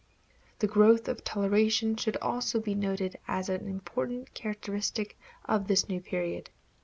The growth of toleration should also be noted as an important characteristic of this new period.